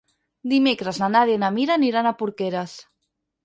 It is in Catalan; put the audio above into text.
Dimecres na Nàdia i na Mira aniran a Porqueres.